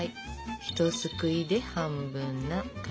ひとすくいで半分な感じ。